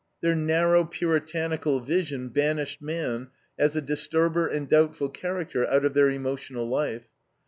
Their narrow, Puritanical vision banished man, as a disturber and doubtful character, out of their emotional life.